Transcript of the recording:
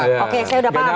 oke saya udah paham